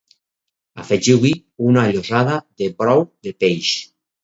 afegiu-hi una llossada de brou de peix